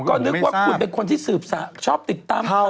ก็นึกว่าคุณเป็นคนที่สืบชอบติดตามข่าว